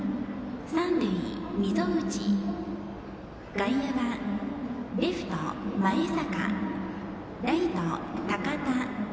外野はレフト、前坂ライト、高田。